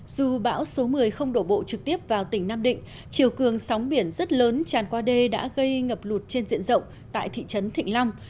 dù bão số một mươi không đổ bộ trực tiếp vào tỉnh nam định chiều cường sóng biển rất lớn tràn qua đê đã gây ngập lụt trên diện rộng tại thị trấn thịnh long